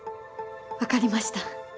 わかりました。